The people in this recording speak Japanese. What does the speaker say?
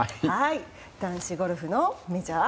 男子ゴルフのメジャー。